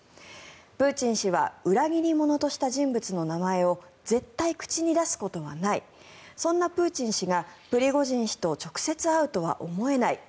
プーチン氏は裏切り者とした人物の名前を絶対口に出すことはないそんなプーチン氏がプリゴジン氏と直接会うとは思えない。